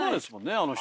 あの人。